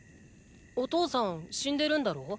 お父さん死んでるんだろ？